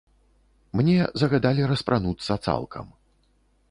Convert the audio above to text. Мне загадалі распрануцца цалкам.